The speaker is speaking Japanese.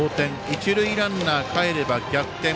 一塁ランナー、かえれば逆転。